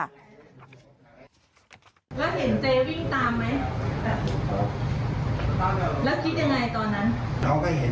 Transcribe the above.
อาหารคน